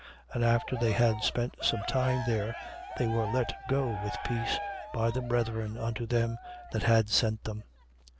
15:33. And after they had spent some time there, they were let go with peace by the brethren unto them that had sent them.